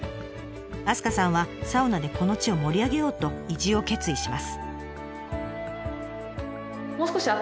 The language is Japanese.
明日香さんはサウナでこの地を盛り上げようと移住を決意します。